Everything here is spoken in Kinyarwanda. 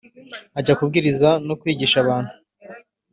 Ajya kubwiriza no kwigisha abantu.